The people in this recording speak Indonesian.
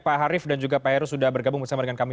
pak harif dan juga pak heru sudah bergabung bersama dengan kami